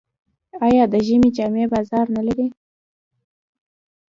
آیا د ژمي جامې بازار نلري؟